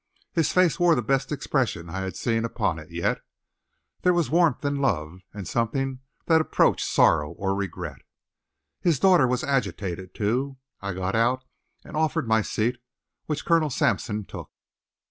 His face wore the best expression I had seen upon it yet. There was warmth and love, and something that approached sorrow or regret. His daughter was agitated, too. I got out and offered my seat, which Colonel Sampson took.